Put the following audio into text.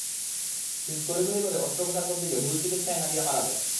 কিন্তু তড়িঘড়ি করে অস্ত্রোপচার করতে গিয়ে ভুল চিকিৎসায় নাদিয়া মারা যায়।